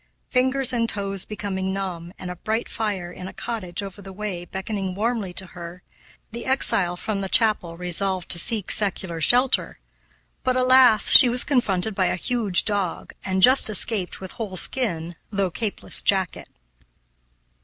Fingers and toes becoming numb, and a bright fire in a cottage over the way beckoning warmly to her, the exile from the chapel resolved to seek secular shelter. But alas! she was confronted by a huge dog, and just escaped with whole skin though capeless jacket.